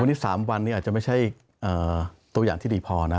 วันนี้๓วันนี้อาจจะไม่ใช่ตัวอย่างที่ดีพอนะ